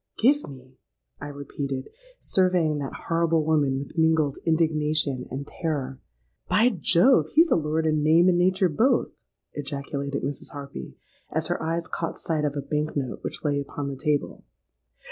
'—'Give me!' I repeated, surveying that horrible woman with mingled indignation and terror.—'By Jove, he's a lord in name and nature both!' ejaculated Mrs. Harpy, as her eyes caught sight of a bank note which lay upon the table.